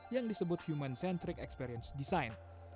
yang disebut human centric experience design